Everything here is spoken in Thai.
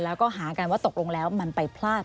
แล้วก็หากันว่าตกลงแล้วมันไปพลาด